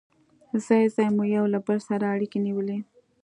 ځای ځای مو یو له بل سره اړيکې نیولې.